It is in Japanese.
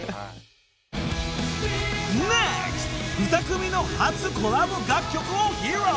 ２組の初コラボ楽曲を披露］